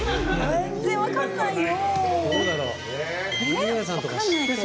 全然分かんないよ！